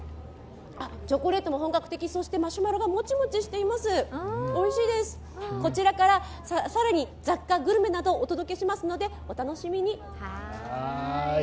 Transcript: チョコレートも本格的そしてマシュマロがモチモチしています、おいしいですこちらから更に雑貨、グルメなどお届けしますので、お楽しみに。